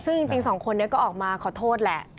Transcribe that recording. ซึ่งจริงสองคนนี้ก็ออกมาขอโทษแหละ